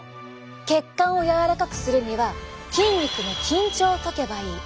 血管を柔らかくするには筋肉の緊張をとけばいい。